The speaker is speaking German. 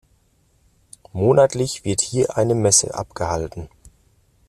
Monatlich wird hier eine Messe abgehalten.